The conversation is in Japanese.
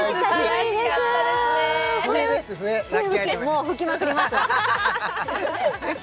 もう吹きまくります